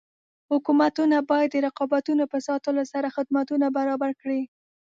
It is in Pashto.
حکومتونه باید د رقابتونو په ساتلو سره خدمتونه برابر کړي.